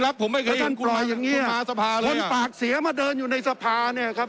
ถ้าท่านปล่อยอย่างนี้คนปากเสียมาเดินอยู่ในสภาเนี่ยครับ